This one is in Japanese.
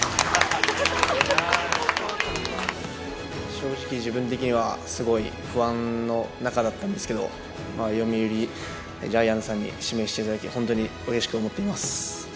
正直、自分的には不安の中だったんですけど、読売ジャイアンツさんに指名していただき、本当にうれしく思っています。